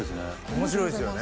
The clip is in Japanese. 面白いですよね。